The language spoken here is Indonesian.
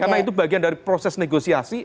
karena itu bagian dari proses negosiasi